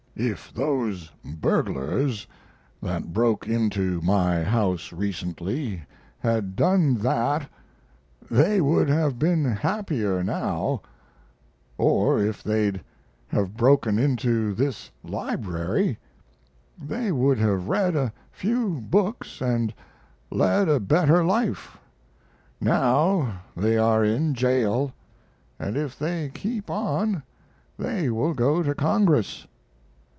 ] If those burglars that broke into my house recently had done that they would have been happier now, or if they'd have broken into this library they would have read a few books and led a better life. Now they are in jail, and if they keep on they will go to Congress.